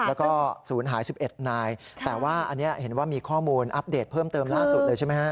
แล้วก็ศูนย์หาย๑๑นายแต่ว่าอันนี้เห็นว่ามีข้อมูลอัปเดตเพิ่มเติมล่าสุดเลยใช่ไหมฮะ